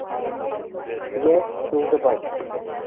- Йә, Юлдыбай!